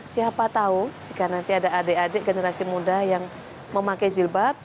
siapa tahu jika nanti ada adik adik generasi muda yang memakai jilbab